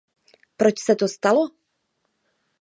Proč se to stalo?